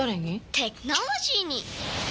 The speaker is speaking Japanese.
テクノロジーに！